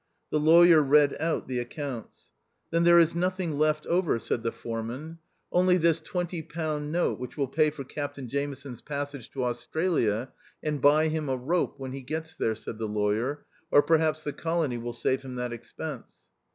The lawyer read out the accounts. " Then there is nothing left over," said the THE OUTCAST. 179 foreman ?" Only this twenty pound note which will pay for Captain Jameson's pass age to Australia, and buy him a rope when he gets there," said the lawyer. " Or perhaps the colony will save him that expense."